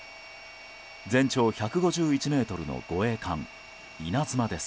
全長１５１ｍの護衛艦「いなづま」です。